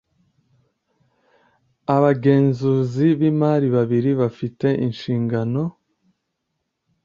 abagenzuzi b imari babiri bafite inshingano